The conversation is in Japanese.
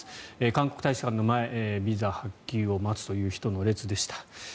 韓国大使館の前ビザ発給を待つという人の列でした。